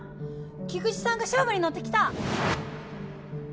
菊地さんが勝負に乗ってきた。